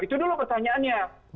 itu dulu pertanyaannya